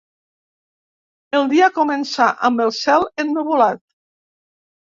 El dia començà amb el cel ennuvolat.